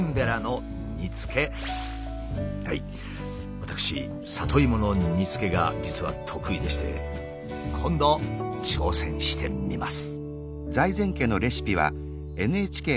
私里芋の煮つけが実は得意でして今度挑戦してみます。